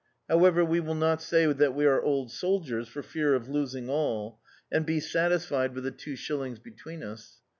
However, we will not say that we are old soldiers, for fear of losing all, and be satisfied with the two shillings between us."